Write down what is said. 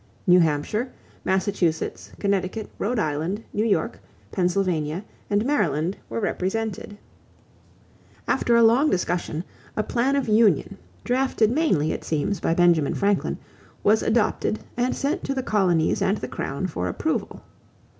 New Hampshire, Massachusetts, Connecticut, Rhode Island, New York, Pennsylvania, and Maryland were represented. After a long discussion, a plan of union, drafted mainly, it seems, by Benjamin Franklin, was adopted and sent to the colonies and the crown for approval.